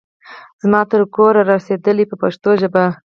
زما تر کوره را رسېدلي دي په پښتو ژبه.